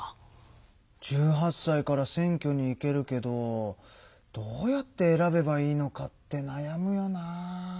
１８さいから選挙に行けるけどどうやって選べばいいのかってなやむよな。